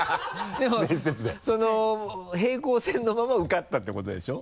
でも平行線のまま受かったってことでしょ？